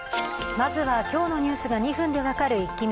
まずは今日のニュースが２分で分かるイッキ見。